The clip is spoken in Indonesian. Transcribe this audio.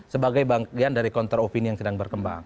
sebagai bagian dari counter opini yang sedang berkembang